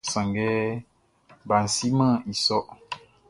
Yalɛfuɛʼn klo i waʼn sanngɛ baʼn simɛn i sôr.